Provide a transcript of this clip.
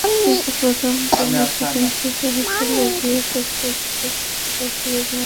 কিন্তু প্রথম দিনের শুটিং শেষে হোটেলে গিয়েও শেষপর্যন্ত কলকাতাতেই ফিরে গেলেন তিনি।